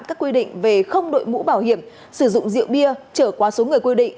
các quy định về không đội mũ bảo hiểm sử dụng rượu bia trở qua số người quy định